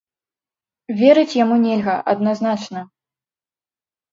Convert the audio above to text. Верыць яму нельга, адназначна.